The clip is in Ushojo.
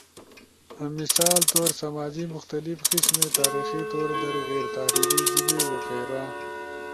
[مثال طور سماجی، مختلف قسمے تاریخی طور در غیر تحریری جیبے وغیرہ]